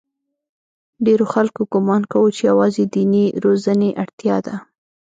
ډېرو خلکو ګومان کاوه چې یوازې د دیني روزنې اړتیا ده.